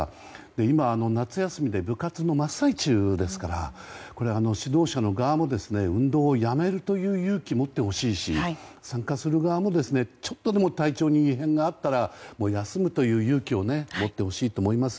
今、夏休みで部活の真っ最中ですから指導者の側も運動をやめるという勇気を持ってほしいし参加する側も、ちょっとでも体調に異変があったら休むという勇気を持ってほしいと思います。